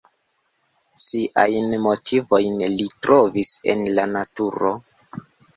Siajn motivojn li trovis en la naturo.